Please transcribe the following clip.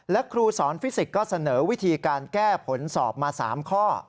และครูสอนฟิสิกส์ก็เสนอวิธีการแก้ผลสอบมา๓ข้อ